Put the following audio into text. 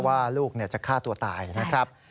ว่าลูกจะฆ่าตัวตายนะครับ